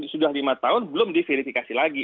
sudah lima tahun belum diverifikasi lagi